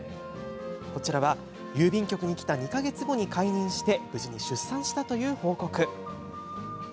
こちらは、郵便局に来た２か月後に懐妊し無事に出産したという報告。